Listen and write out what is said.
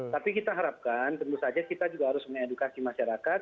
tapi kita harapkan tentu saja kita juga harus mengedukasi masyarakat